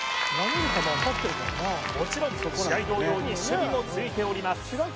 もちろん試合同様に守備もついております